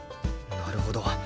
なるほど。